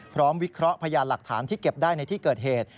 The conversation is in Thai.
วิเคราะห์พยานหลักฐานที่เก็บได้ในที่เกิดเหตุ